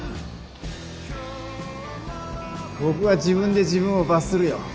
僕は自分で自分を罰するよ。